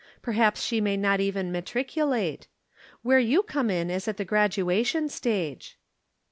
Perhaps she may not even matriculate. Where you come in is at the graduation stage."